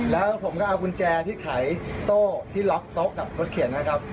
แล้วผมก็เอากุญแจที่ขายโซ่ที่ล็อกโต๊ะกับรถเข็นนะครับ